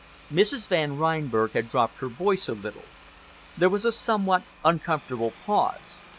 Mrs. Van Reinberg had dropped her voice a little. There was a somewhat uncomfortable pause.